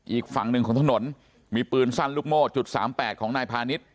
อีกฝั่งหนึ่งของถนนมีปืนสั้นลูกโม่จุดสามแปดของนายพาณิชย